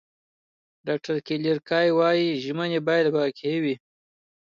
ډاکټره کلیر کای وايي، ژمنې باید واقعي وي.